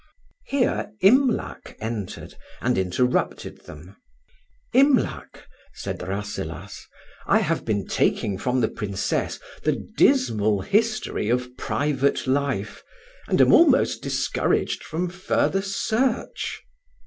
HERE Imlac entered, and interrupted them. "Imlac," said Rasselas, "I have been taking from the Princess the dismal history of private life, and am almost discouraged from further search."